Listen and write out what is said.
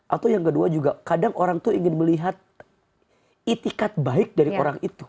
atau yang kedua juga kadang orang itu ingin melihat itikat baik dari orang itu